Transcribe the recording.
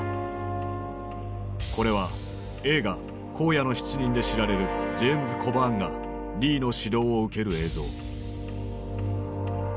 これは映画「荒野の七人」で知られるジェームズ・コバーンがリーの指導を受ける映像。